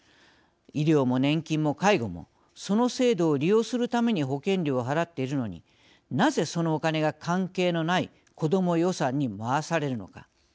医療も年金も介護もその制度を利用するために保険料を払っているのになぜ、そのお金が関係のない子ども予算に回されるのか。